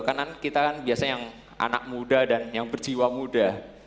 karena kita kan biasanya yang anak muda dan yang berjiwa muda